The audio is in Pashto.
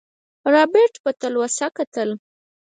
رابرټ په تلوسه کتل.